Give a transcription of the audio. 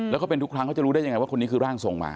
แล้วเขาเป็นทุกครั้งเขาจะรู้ได้ยังไงว่าคนนี้คือร่างทรงมา